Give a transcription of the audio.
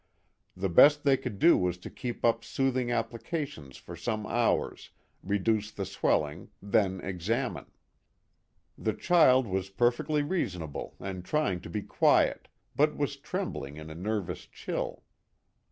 The best they could do was to keep up soothing applications for some hours, reduce the swell ing, then examine. The child was perfectly reasonable and trying to be quiet, but was trembling in a nervous chill.